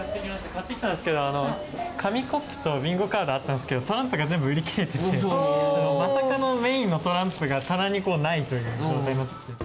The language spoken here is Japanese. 買ってきたんですけど紙コップとビンゴカードあったんですけどトランプが全部売り切れててまさかのメインのトランプが棚にないという状態になっちゃって。